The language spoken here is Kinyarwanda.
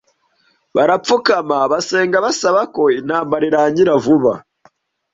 Barapfukama basenga basaba ko intambara irangira vuba.